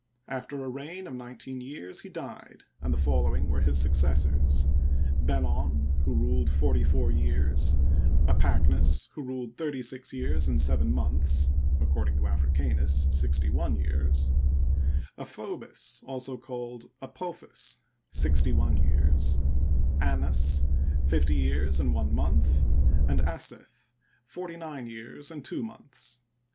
After a reign of nmeteen years he died, and the following were his successors : Benon, who ruled forty four years ; Apacknas, who ruled thirty six years and seven months (according to Africanus, sixty one years) ; Aphobis, also called Apophis, sixty one years ; Annas, fifty years and one month ; and Asseth, forty nine years and two months.